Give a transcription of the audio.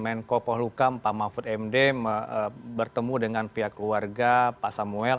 menko polhukam pak mahfud md bertemu dengan pihak keluarga pak samuel